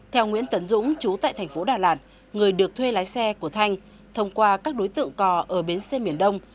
theo nguyễn tấn dũng chú tại thành phố đà lạt người được thuê lái xe của thanh thông qua các đối tượng cò ở bến xe miền đông